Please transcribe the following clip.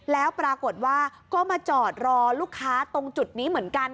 แล้วปรากฏว่าก็มาจอดรอลูกค้าตรงจุดนี้เหมือนกัน